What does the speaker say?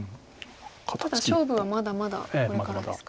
ただ勝負はまだまだこれからですか。